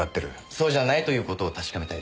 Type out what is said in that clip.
そうじゃないという事を確かめたいんです。